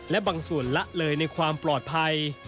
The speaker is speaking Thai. และบางส่วนละเลยในความปลอดภัย